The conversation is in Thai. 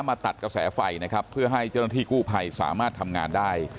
มาตัดกระแสไฟนะครับเพื่อให้เจ้าหน้าที่กู้ภัยสามารถทำงานได้